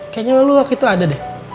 kayaknya lo waktu itu ada deh